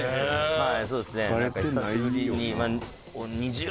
はい。